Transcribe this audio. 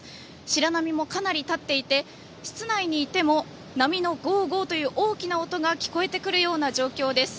白波もかなり立っていて室内にいても波のゴーゴーという大きな音が聞こえてくるような状況です。